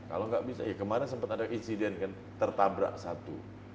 kalau nggak bisa ya kemarin sempat ada insiden kan tertabrak satu